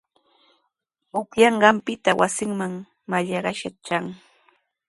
Upyanqanpita wasinman mallaqnashqa tran.